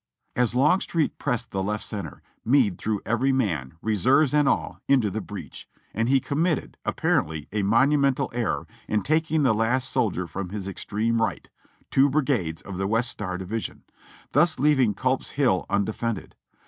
As Longstreet pressed the left center, Meade threw every man, reserves and all, into the breach, and he committed, apparently, a monumental error in taking the last soldier from his extreme right (two brigades of the White Star Division), thus leaving Gulp's Hill undefended.